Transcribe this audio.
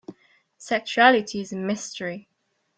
Sexuality is a mystery.